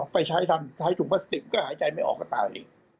ไปใช้ทำใช้ถุงประสิทธิ์มันก็หายใจไม่ออกก็ตาย